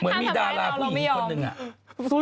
เหมือนมีดาราผู้หญิงหนู